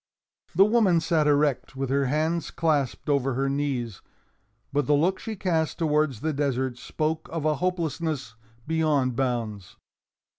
The woman sat erect, with her hands clasped over her knees. But the looks she cast towards the desert spoke of a hopelessness beyond bounds.